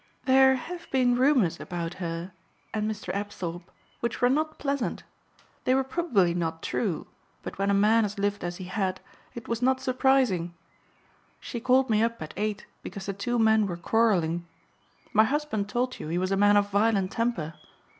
"There have been rumors about her and Mr. Apthorpe which were not pleasant. They were probably not true but when a man has lived as he had it was not surprising. She called me up at eight because the two men were quarreling. My husband told you he was a man of violent temper.